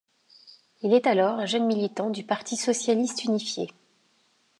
Il est alors un jeune militant du Parti socialiste unifié.